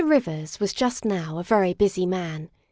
RIVERS was just now a very busy man.